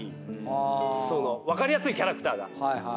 分かりやすいキャラクターが。